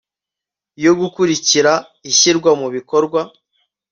yo gukurikira ishyirwa mu bikorwa